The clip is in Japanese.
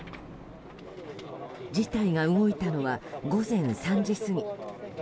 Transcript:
事態が動いたのは午前３時過ぎ。